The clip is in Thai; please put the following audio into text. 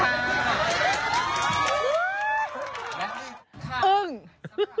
และวิทยาลัยสมัยค่ะ